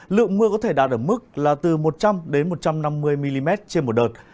lượng mưa có thể đạt ở mức là từ một trăm linh một trăm năm mươi mm trên một đợt